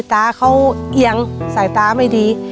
ตาเขาเหยื่อสาตาไม่ดี